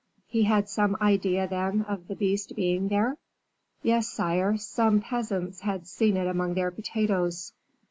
"He had some idea, then, of the beast being there?" "Yes, sire, some peasants had seen it among their potatoes."